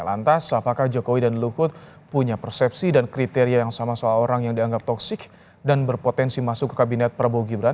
lantas apakah jokowi dan luhut punya persepsi dan kriteria yang sama soal orang yang dianggap toksik dan berpotensi masuk ke kabinet prabowo gibran